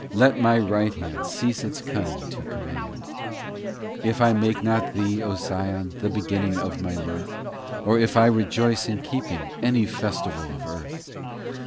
Let my right hand Cease its cunning to command XIII If I make not thee, O Sion, The beginning of my mirth ; Or if I rejoice in keeping Any festival of earth.